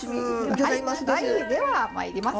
はいではまいります。